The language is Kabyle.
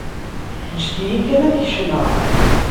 Eǧǧet-iyi kan ad kecmeɣ.